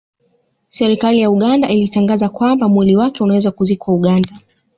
Serikali ya Uganda ilitangaza kwamba mwili wake unaweza kuzikwa Uganda